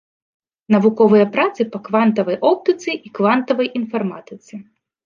Навуковыя працы па квантавай оптыцы і квантавай інфарматыцы.